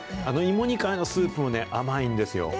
芋煮会のスープもね、甘いんですよ。